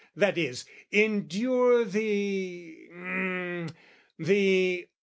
that is, endure "The...hem!